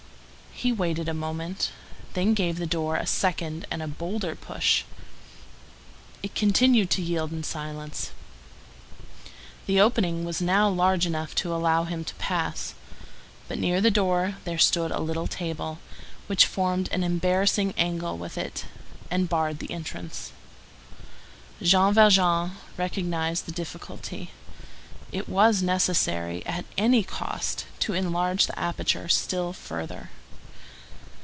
He waited a moment; then gave the door a second and a bolder push. It continued to yield in silence. The opening was now large enough to allow him to pass. But near the door there stood a little table, which formed an embarrassing angle with it, and barred the entrance. Jean Valjean recognized the difficulty. It was necessary, at any cost, to enlarge the aperture still further.